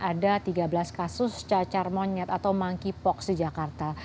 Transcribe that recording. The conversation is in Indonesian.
ada tiga belas kasus cacar monyet atau monkeypox di jakarta